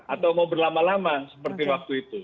atau mau berlama lama seperti waktu itu